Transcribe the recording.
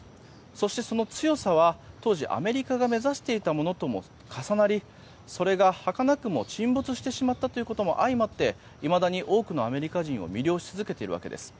そして、その強さは当時アメリカが目指していたものとも重なりそれがはかなくも沈没してしまったことも相まっていまだに多くのアメリカ人を魅了し続けているわけです。